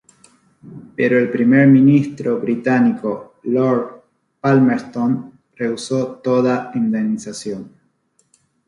Pero el primer ministro británico Lord Palmerston rehusó toda indemnización.